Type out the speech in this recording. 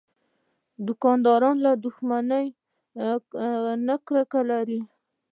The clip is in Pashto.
دوکاندار له دښمنۍ نه کرکه لري.